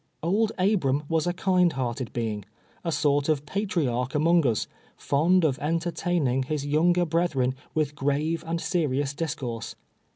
Old Abram was a kind hearted being — a sort of patriarch among us, fond of entertaining his younger brethren with grave and serious discourse.